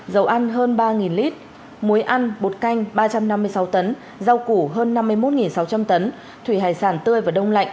dầu ăn hơn ba lít muối ăn bột canh ba trăm năm mươi sáu tấn rau củ hơn năm mươi một sáu trăm linh tấn thủy hải sản tươi và đông lạnh